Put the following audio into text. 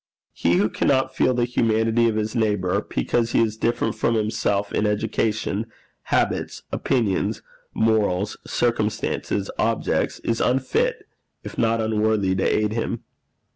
He who cannot feel the humanity of his neighbour because he is different from himself in education, habits, opinions, morals, circumstances, objects, is unfit, if not unworthy, to aid him.